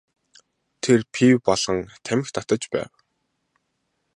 Тэр пиво балган тамхи татаж байв.